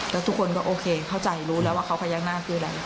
แล้วทุกคนก็โอเคเข้าใจรู้แล้วว่าเขาพญานาคคืออะไร